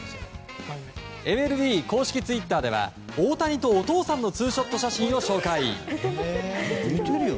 ＭＬＢ公式ツイッターでは大谷とお父さんのツーショット写真を紹介。